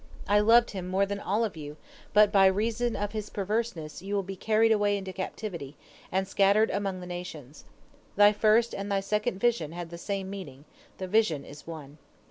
I loved him more than all of you, but by reason of his perverseness ye will be carried away into captivity, and scattered among the nations. Thy first and thy second vision had the same meaning, the vision is one.'